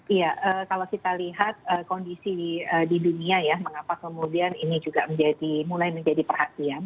iya kalau kita lihat kondisi di dunia ya mengapa kemudian ini juga mulai menjadi perhatian